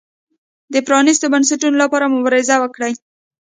د پرانیستو بنسټونو لپاره مبارزه وکړي.